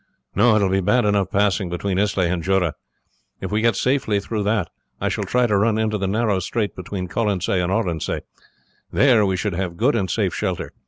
No, it will be bad enough passing between Islay and Jura; if we get safely through that I shall try to run into the narrow strait between Colonsay and Oronsay; there we should have good and safe shelter.